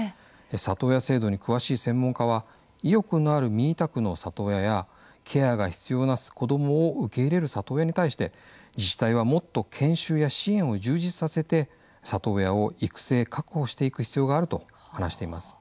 里親制度に詳しい専門家は意欲のある未委託の里親やケアが必要な子どもを受け入れる里親に対して自治体はもっと研修や支援を充実させて里親を育成・確保していく必要があると話しています。